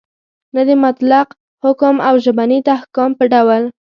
نه د مطلق حکم او ژبني تحکم په ډول